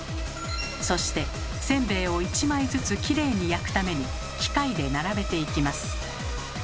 そしてせんべいを一枚ずつきれいに焼くために機械で並べていきます。